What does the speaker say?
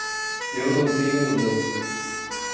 Eu não tenho mudanças.